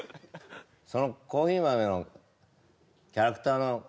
そのコーヒー豆のキャラクターの顔